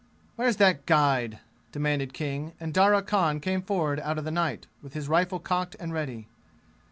"Where's that guide?" demanded King; and Darya Khan came forward out of the night, with his rifle cocked and ready.